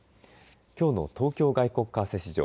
きょうの東京外国為替市場